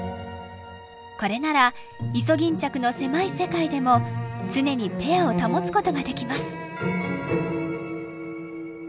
これならイソギンチャクの狭い世界でも常にペアを保つことができます。